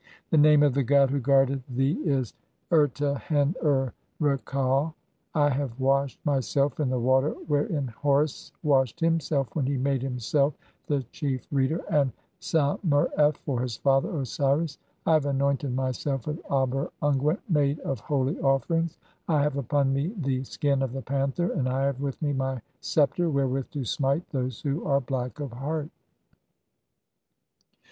The name of the god "who guardeth thee is Erta hen er reqau. (19 I have washed "myself in the water wherein Horus washed himself when he "made himself the Chief reader and Sa mer f for his father "Osiris. I have anointed myself with dber unguent [made] of "holy offerings, I have upon me the (20) skin of the panther, "and I have with me my sceptre wherewith to smite those who "are black of heart."